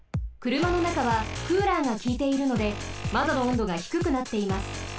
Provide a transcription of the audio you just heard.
くるまのなかはクーラーがきいているのでまどの温度がひくくなっています。